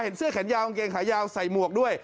เสื้อแขนยาวกางเกงขายาวใส่หมวกด้วย